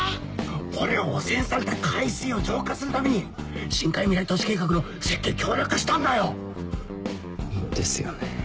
俺は汚染された海水を浄化するために深海未来都市計画の設計協力したんだよ！ですよね。